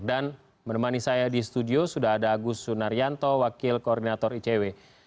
dan menemani saya di studio sudah ada agus sunaryanto wakil koordinator icw